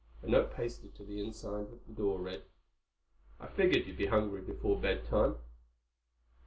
A note pasted to the inner side of the door read, "I figured you'd be hungry before bedtime."